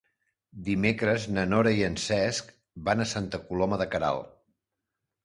Dimecres na Nora i en Cesc van a Santa Coloma de Queralt.